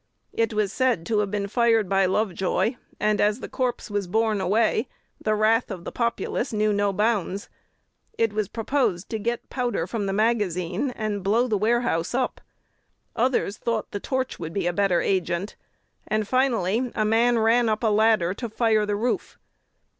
It was said to have been fired by Lovejoy; and, as the corpse was borne away, the wrath of the populace knew no bounds. It was proposed to get powder from the magazine, and blow the warehouse up. Others thought the torch would be a better agent; and, finally, a man ran up a ladder to fire the roof.